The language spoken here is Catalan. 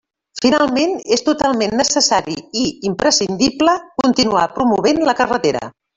Finalment, és totalment necessari i imprescindible continuar promovent la carretera.